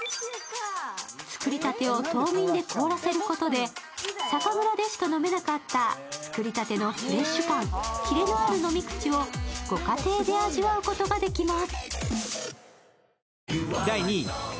作りたてを凍眠で凍らせることで酒蔵でしか飲めなかった作りたてのフレッシュ感、キレのある飲み口をご家庭で味わうことができます。